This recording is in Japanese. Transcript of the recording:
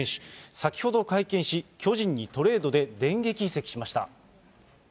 先ほど会見し、巨人にトレードで電撃移籍しました。